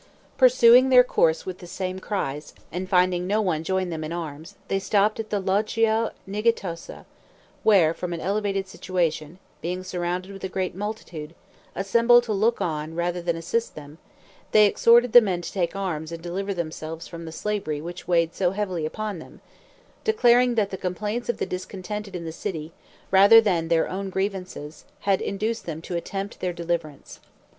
Pursuing their course with the same cries, and finding no one join them in arms, they stopped at the Loggia Nighittosa, where, from an elevated situation, being surrounded with a great multitude, assembled to look on rather than assist them, they exhorted the men to take arms and deliver themselves from the slavery which weighed so heavily upon them; declaring that the complaints of the discontented in the city, rather than their own grievances, had induced them to attempt their deliverance.